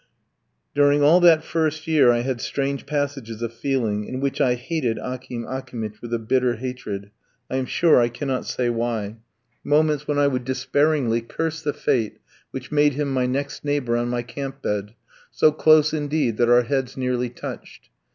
During all that first year I had strange passages of feeling, in which I hated Akim Akimitch with a bitter hatred, I am sure I cannot say why, moments when I would despairingly curse the fate which made him my next neighbour on my camp bed, so close indeed that our heads nearly touched.